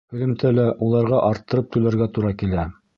Һөҙөмтәлә уларға арттырып түләргә тура килә.